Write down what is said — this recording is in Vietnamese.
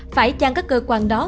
phải chăng các cơ quan đó